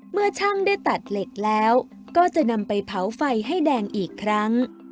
เมื่อช่างได้ตัดเหล็กแล้วก็จะนำไปเผาไฟให้แดงอีกครั้ง